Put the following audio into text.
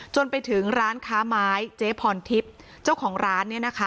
จนไปถึงร้านค้าไม้เจ๊พรทิพย์เจ้าของร้านเนี่ยนะคะ